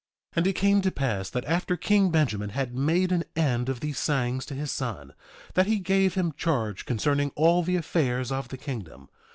1:15 And it came to pass that after king Benjamin had made an end of these sayings to his son, that he gave him charge concerning all the affairs of the kingdom.